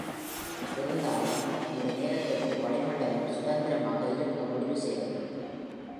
இருந்தாலும், அந்த நேரத்துக்கு வளிமண்டலம் சுதந்திரமாக இருக்க முடிவு செய்தது.